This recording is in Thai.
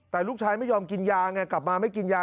แต่ลูกชายไม่ยอมกินยาไงกลับมาไม่กินยา